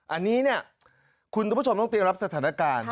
อันนี้เนี่ยคุณผู้ชมต้องเตรียมรับสถานการณ์